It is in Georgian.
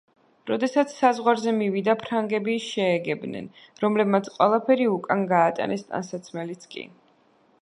როდესაც საზღვარზე მივიდა ფრანგები შეეგებნენ, რომლებმაც ყველაფერი უკან გაატანეს, ტანსაცმელიც კი.